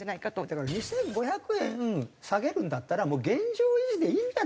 だから２５００円下げるんだったらもう現状維持でいいんじゃないかなと。